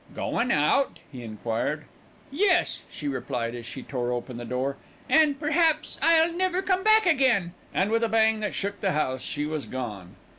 "Goin' out?" he enquired. "Yes," she replied, as she tore open the door, "and perhaps I'll never come back again," and with a bang that shook the house she was gone.